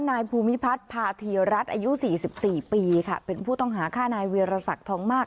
นายภูมิพัฒน์พาธีรัฐอายุ๔๔ปีค่ะเป็นผู้ต้องหาฆ่านายเวียรศักดิ์ทองมาก